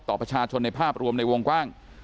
ต่อประชาชนในภาพรวมในวงกว้าง